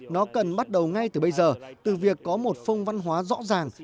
nó cần bắt đầu ngay từ bây giờ từ việc có một phung văn hóa rõ ràng